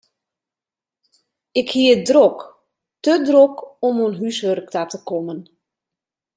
Ik hie it drok, te drok om oan húswurk ta te kommen.